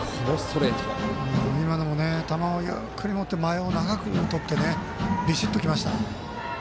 今のも球をゆっくり持って間合いを長く取ってビシッときました。